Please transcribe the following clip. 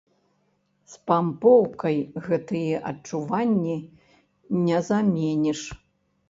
Спампоўкай гэтыя адчуванні не заменіш!